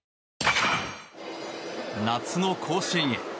夏の甲子園へ。